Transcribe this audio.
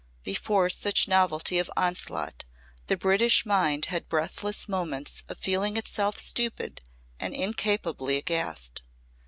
Before such novelty of onslaught the British mind had breathless moments of feeling itself stupid and incapably aghast.